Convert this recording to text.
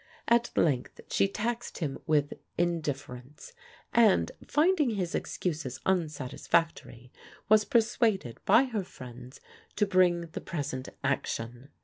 At length she taxed him with indifference, and, finding his excuses unsatisfactory, was persuaded by her friends to bring the present action.